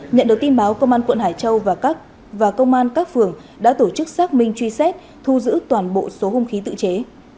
nhận được tin báo công an quận hải châu và công an các phường đã tổ chức xác minh truy xét thu giữ toàn bộ số hung khí tự chế